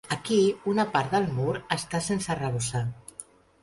Aquí, una part del mur està sense arrebossar.